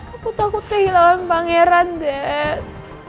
aku takutnya gilauan pangeran dad